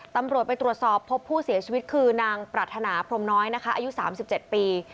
ตำรวจไปตรวจสอบพบผู้เสียชีวิตคือนางปรารถนาพรมน้อยนะคะอายุ๓๗ปี